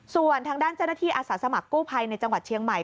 ส่วนทางด้านเจ้าหน้าที่อาสาสมัครกู้ภัยในจังหวัดเชียงใหม่